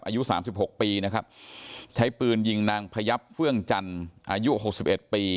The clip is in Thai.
อายุสามสิบหกปีนะครับใช้ปืนยิงนางพยับเฟื่องจันทร์อายุหกสิบเอ็ดปี